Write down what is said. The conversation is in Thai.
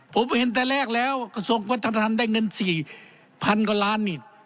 ผมเห็นแต่แรกแล้วกระทรวงวัฒนธรรมได้เงิน๔๐๐๐กว่าล้านนี่